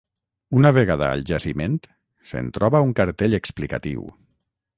Una vegada al jaciment, se'n troba un cartell explicatiu.